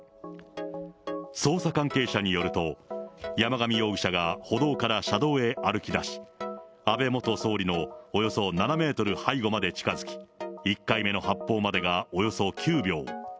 捜査関係者によると、山上容疑者が歩道から車道へ歩き出し、安倍元総理のおよそ７メートル背後まで近づき、１回目の発砲までがおよそ９秒。